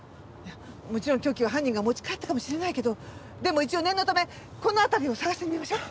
もちろん凶器は犯人が持ち帰ったかもしれないけどでも一応念のためこの辺りを探してみましょう。